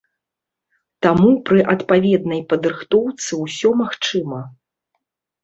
Таму пры адпаведнай падрыхтоўцы ўсё магчыма.